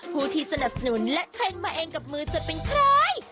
ผู้ที่สนับสนุนและเทรนด์มาเองกับมือจะเป็นใคร